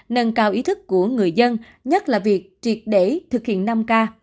nâng cao ý thức của người dân nhất là việc triệt để thực hiện năm k